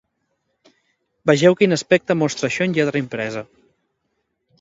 Vegeu quin aspecte mostra això en lletra impresa.